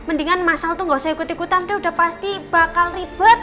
mendingan mas sal tuh gak usah ikut dua an udah pasti bakal ribet